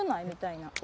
みたいな。